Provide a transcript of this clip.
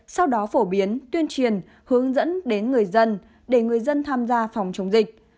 sau đó phổ biến tuyên truyền hướng dẫn đến người dân để người dân tham gia phòng chống dịch